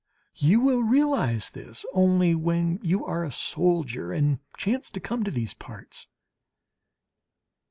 You will realize this only when you are a soldier and chance to come to these parts.